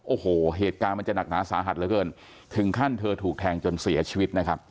โอ้โหเหตุการณ์มันจะหนักหนาสาหัสเหลือเกินถึงขั้นเธอถูกแทงจนเสียชีวิตนะครับ